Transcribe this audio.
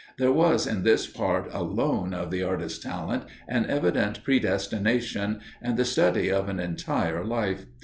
There was in this part alone of the artist's talent an evident predestination, and the study of an entire life.